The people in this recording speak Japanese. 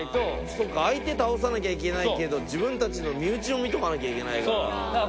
そうか相手倒さなきゃいけないけど自分たちの身内も見とかなきゃいけないから。